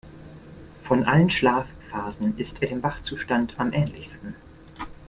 Von allen Schlafphasen ist er dem Wachzustand am ähnlichsten.